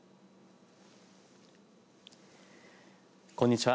こんにちは。